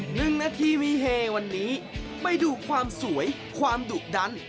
หนึ่งนาทีวีเฮวันนี้ไปดูความสวยความดุดัน